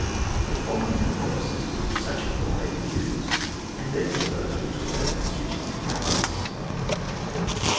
The following are the purposes for which such a corps may be used, and therefore those which determine its duties in practice.